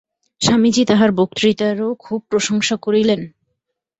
স্বামীজী তাঁহার বক্তৃতারও খুব প্রশংসা করিলেন।